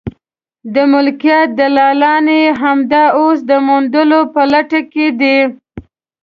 د ملکیت دلالان یې همدا اوس د موندلو په لټه کې دي.